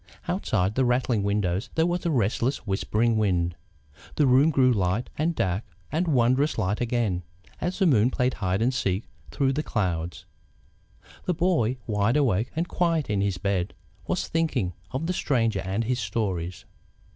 Outside the rattling windows there was a restless, whispering wind. The room grew light, and dark, and wondrous light again, as the moon played hide and seek through the clouds. The boy, wide awake and quiet in his bed, was thinking of the Stranger and his stories.